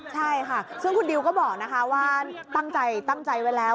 ใช่ค่ะซึ่งคุณดิวก็บอกนะคะว่าตั้งใจตั้งใจไว้แล้ว